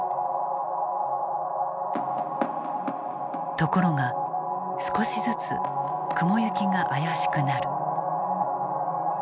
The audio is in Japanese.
ところが少しずつ雲行きが怪しくなる。